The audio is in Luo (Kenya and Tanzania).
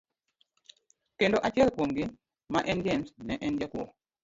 Kendo achiel kuom gi ma en James ne en jakuo.